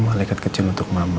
malekat kecil untuk mama